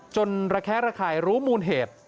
ระแคะระคายรู้มูลเหตุ